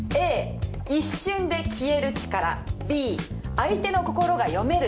Ａ、一瞬で消える力Ｂ、相手の心が読める